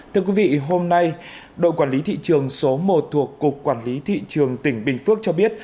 thưa quý vị hôm nay đội quản lý thị trường số một thuộc cục quản lý thị trường tỉnh bình phước cho biết